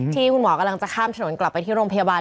ที่คุณหมอกำลังจะข้ามถนนกลับไปที่โรงพยาบาล